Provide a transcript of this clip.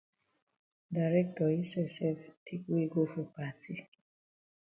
Director yi sef sef take we go for party.